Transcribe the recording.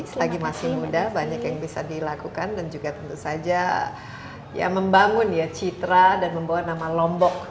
selagi masih muda banyak yang bisa dilakukan dan juga tentu saja ya membangun ya citra dan membawa nama lombok